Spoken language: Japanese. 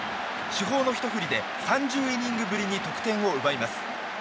主砲のひと振りで３０イニングぶりに得点を奪います。